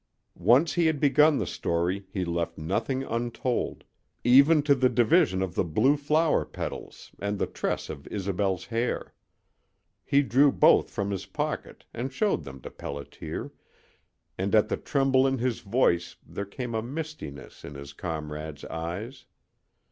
Once he had begun the story he left nothing untold, even to the division of the blue flower petals and the tress of Isobel's hair. He drew both from his pocket and showed them to Pelliter, and at the tremble in his voice there came a mistiness in his comrade's eyes.